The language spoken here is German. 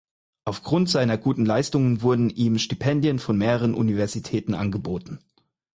Aufgrund seiner guten Leistungen wurden ihm Stipendien von mehreren Universitäten angeboten.